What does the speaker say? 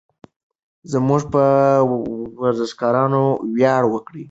زموږ په ورزشکارانو ویاړ وکړئ.